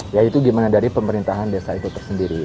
nah itu gimana dari pemerintahan desa itu tersendiri